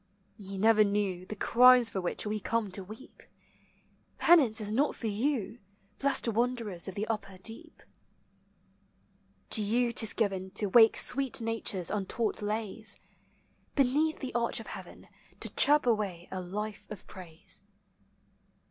Ye never knew The crimes for which we come to weep. Penance is not for you, Blessed wanderers of the upper deep. To you 't is given To wake sweet Nature's untaught lays; Beneath the arch of heaven To chirp away a life of praise.